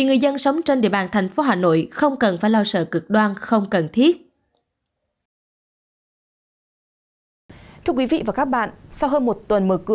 người dân sống trên địa bàn thành phố hà nội không cần phải lo sợ cực đoan không cần thiết